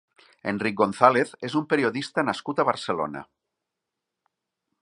Enric González és un periodista nascut a Barcelona.